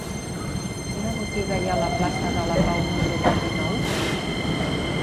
Quina botiga hi ha a la plaça de la Pau número vint-i-nou?